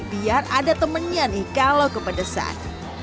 biar ada temennya nih kalau kepedesan